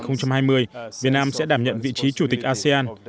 năm hai nghìn hai mươi việt nam sẽ đảm nhận vị trí chủ tịch asean